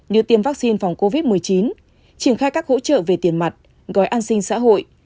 như tiêm vaccine phòng covid một mươi chín triển khai các hỗ trợ về tiền mặt gói an sinh xã hội